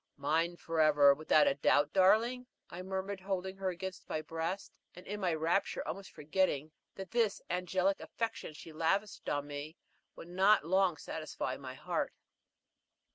"Mine for ever, without a doubt, darling?" I murmured, holding her against my breast; and in my rapture almost forgetting that this angelic affection she lavished on me would not long satisfy my heart.